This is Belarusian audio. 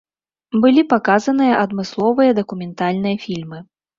Былі паказаныя адмысловыя дакументальныя фільмы.